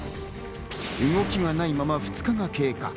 動きがないまま２日が経過。